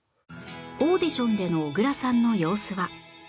オーディションでの小倉さんの様子は？